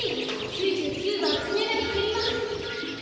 ９９ばんつねなりけります。